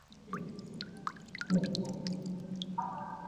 kinakubalika Hata hivyo nchi nyingi zinajitahidi kufikia vigezo vya ubora wa